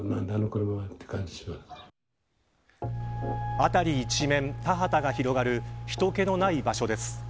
辺り一面、田畑が広がる人けのない場所です。